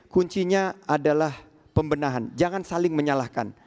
kuncinya adalah pembenahan jangan saling menyalahkan